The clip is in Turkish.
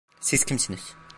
Siz kimsiniz?